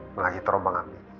lagi terombang amik